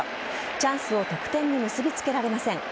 チャンスを得点に結びつけられません。